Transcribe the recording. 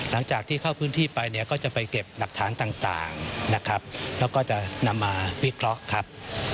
และก็จะนำมาวิกล้อครับ